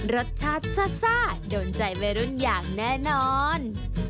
รสชาติซ่าโดนใจวัยรุ่นอย่างแน่นอน